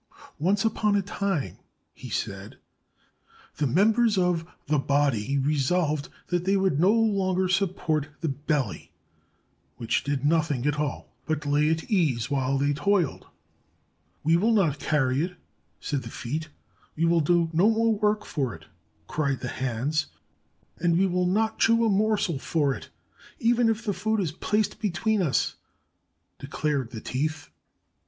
"Once upon a time," he said, "the members of the body resolved that they would no longer support the belly, which did nothing at all, but lay at ease while they toiled. *We will not carry it,' said the feet. 'We will do no more work for it,' cried the hands. 'And we will not chew a morsel for it, even if the food is placed between us,' de clared the teeth.